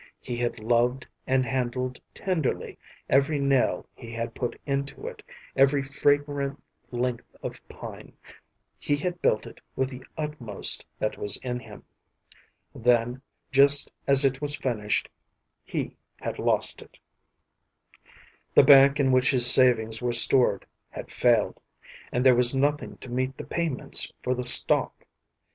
He had loved and handled tenderly every nail he had put into it, every fragrant length of pine; he had built it with the utmost that was in him. Then, just as it was finished, he had lost it. The bank in which his savings were stored had failed, and there was nothing to meet the payments for the stock.